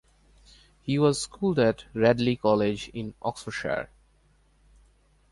He was schooled at Radley College in Oxfordshire.